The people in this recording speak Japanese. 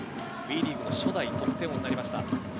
ＷＥリーグの初代得点王となりました。